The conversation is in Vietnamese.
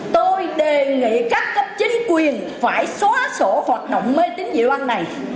tôi đề nghị các cấp chính quyền phải xóa sổ hoạt động mê tính dịu ăn này